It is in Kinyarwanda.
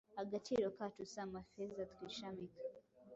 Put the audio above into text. Agaciro kacu si amafeza twishamika